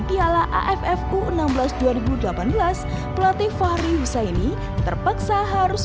piala aff u enam belas dua ribu delapan belas pelatih fahri husaini terpaksa harus